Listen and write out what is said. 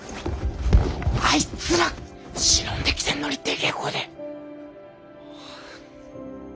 あいつら忍んで来てんのにでけぇ声で。